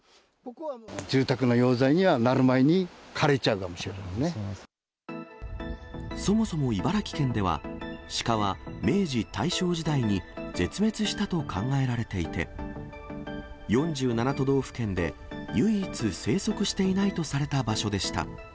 住宅の用材にはなる前に枯れそもそも茨城県では、シカは明治、大正時代に絶滅したと考えられていて、４７都道府県で唯一生息していないとされた場所でした。